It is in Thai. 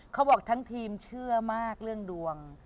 เขาบอกทั้งทีมเชื่อมากเรื่องดวง